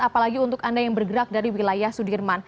apalagi untuk anda yang bergerak dari wilayah sudirman